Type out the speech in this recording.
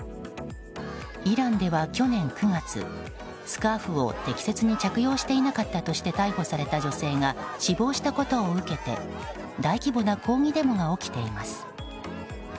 イランでは、去年９月スカーフを適切に着用していなかったとして逮捕された女性が死亡したことを受けて大規模な抗議デモが起きています。